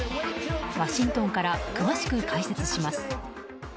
ワシントンから詳しく解説します。